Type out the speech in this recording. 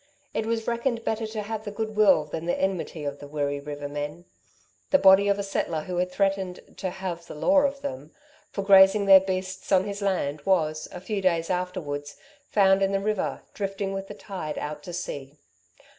It was reckoned better to have the good will than the enmity of the Wirree river men. The body of a settler who had threatened "to have the law of them" for grazing their beasts on his land was, a few days afterwards, found in the river, drifting with the tide out to sea.